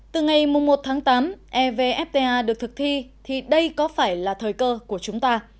từ ngày một tháng tám evfta được thực thi thì đây có phải là thời cơ của chúng ta